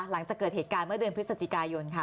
หลังจากเกิดเหตุการณ์เมื่อเดือนพฤศจิกายนค่ะ